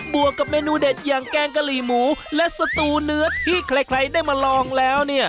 วกกับเมนูเด็ดอย่างแกงกะหรี่หมูและสตูเนื้อที่ใครได้มาลองแล้วเนี่ย